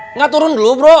enggak turun dulu bro